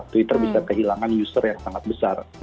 twitter bisa kehilangan user yang sangat besar